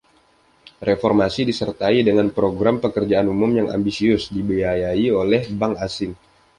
Reformasi disertai dengan program pekerjaan umum yang ambisius, dibiayai oleh bank asing.